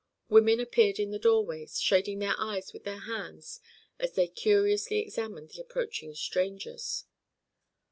Women appeared in the doorways, shading their eyes with their hands as they curiously examined the approaching strangers.